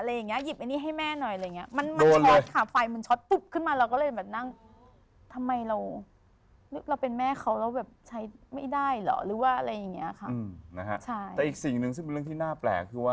และอีกสิ่งหนึ่งซึ่งเป็นเรื่องที่น่าแปลก